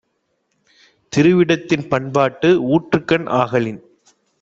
திருவிடத்தின் பண்பாட்டு ஊற்றுக்கண் ஆகலின்